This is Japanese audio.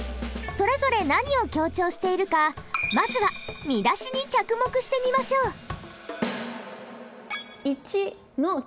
それぞれ何を強調しているかまずは見出しに着目してみましょう。